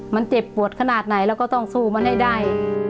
มันเจ็บปวดขนาดไหนเราก็ต้องสู้มันให้ได้